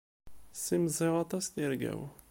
Ssimẓiɣ aṭas tirga-w.